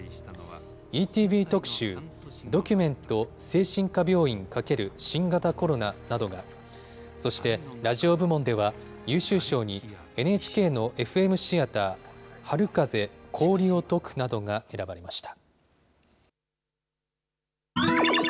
ＥＴＶ特集、ドキュメント精神科病院×新型コロナなどが、そして、ラジオ部門では優秀賞にＮＨＫのＦＭシアター、はるかぜ、氷をとくなどが選ばれました。